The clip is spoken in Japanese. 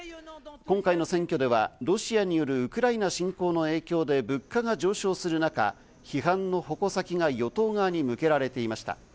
今回の選挙ではロシアによるウクライナ侵攻の影響で物価が上昇する中、批判の矛先が与党側に向けられていました。